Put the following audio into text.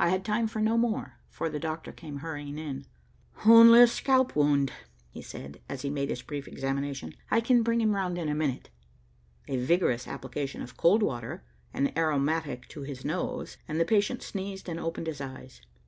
I had time for no more, for the doctor came hurrying in. "Only a scalp wound," he said, as he made his brief examination. "I can bring him round in a minute." A vigorous application of cold water, an aromatic to his nose, and the patient sneezed and opened his eyes.